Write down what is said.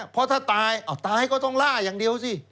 เพราะถ้าตายตายก็ต้องล่าอย่างเดียวสิ